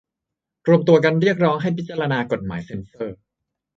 รวมตัวกันเรียกร้องให้พิจารณากฎหมายเซ็นเซอร์